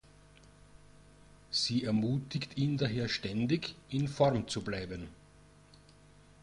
Sie ermutigt ihn daher ständig, in Form zu bleiben.